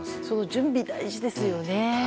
準備、大事ですよね。